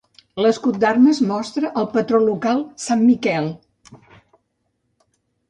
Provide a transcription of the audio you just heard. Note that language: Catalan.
L'escut d'armes mostra el patró local San Miquel.